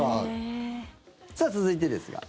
さあ、続いてですが。